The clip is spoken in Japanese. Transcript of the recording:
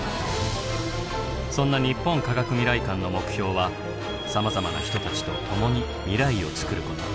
そんな日本科学未来館の目標はさまざまな人たちと共に未来をつくること。